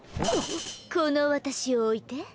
この私をおいて？